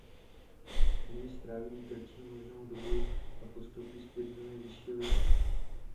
V ní stráví nejkratší možnou dobu a postoupí zpět do nejvyšší ligy.